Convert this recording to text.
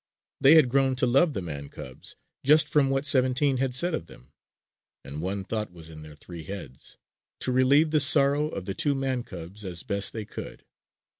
They had grown to love the man cubs just from what "Seventeen" had said of them; and one thought was in their three heads to relieve the sorrow of the two man cubs as best they could.